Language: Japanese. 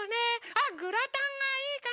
あっグラタンがいいかな？